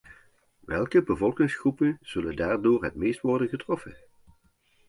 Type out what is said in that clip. Welke bevolkingsgroepen zullen daardoor het meest worden getroffen?